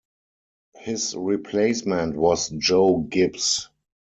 His replacement was Joe Gibbs.